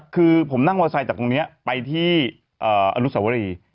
คือผมนั่งมอไซค์จากตรงนี้ไปที่อนุสวรี